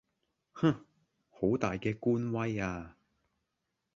哼,好大嘅官威呀!